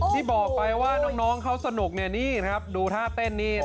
ที่บอกไปว่าน้องเขาสนุกเนี่ยนี่นะครับดูท่าเต้นนี่